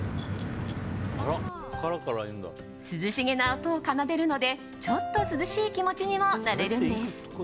涼しげな音を奏でるのでちょっと涼しい気持ちにもなれるんです。